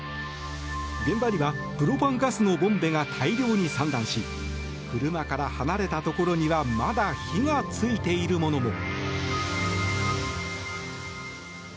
現場にはプロパンガスのボンベが大量に散乱し車から離れたところにはまだ火が付いているものも。